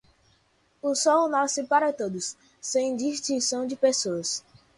O Sol nasce para todos, sem distinção de pessoas.